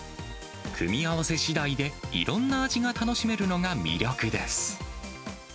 組み合わせしだいで、いろんな味が楽しめるのが魅力です。